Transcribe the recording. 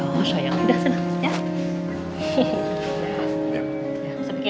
oh sayang udah seneng ya